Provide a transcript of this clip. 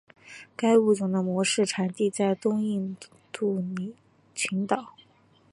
该物种的模式产地在东印度群岛。